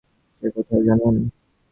সে কোথায় জানেন?